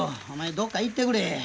どっか行ってくれ。